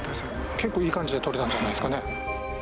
結構いい感じで撮れたんじゃないですかね。